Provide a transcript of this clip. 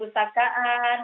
kami pergi pulang kampung